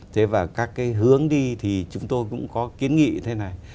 thế và các cái hướng đi thì chúng tôi cũng có kiến nghị như thế này